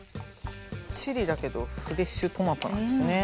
チリだけどフレッシュトマトなんですね。